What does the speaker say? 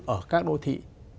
ở các đô thị